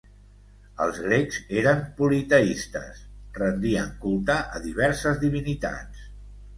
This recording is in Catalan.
Els grecs eren politeistes: rendien culte a diverses divinitats.